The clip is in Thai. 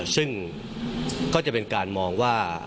ซึ่งก็จะเป็นการมองว่า